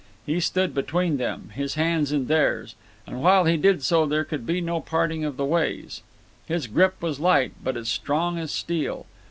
He stood between them, his hands in theirs; and while he did so there could be no parting of the ways. His grip was light, but as strong as steel.